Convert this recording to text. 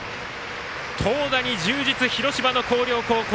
投打に充実、広島の広陵高校。